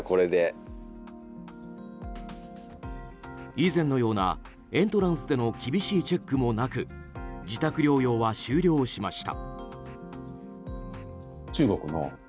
以前のようなエントランスでの厳しいチェックもなく自宅療養は終了しました。